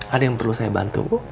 ada yang perlu saya bantu